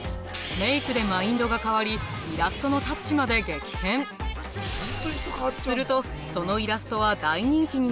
メイクでマインドが変わりイラストのタッチまで激変するとそのイラストは大人気になり